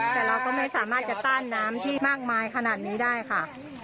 แต่เราก็ไม่สามารถจะต้านน้ำที่มากมายขนาดนี้ได้ค่ะ